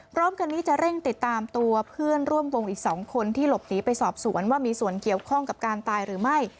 พร้อมกันนี้จะเร่งติดตามตัวเพื่อนร่วมวงอีก๒คนที่หลบหนีไปสอบสวนว่ามีส่วนเกี่ยวข้องกับการตายหรือไม่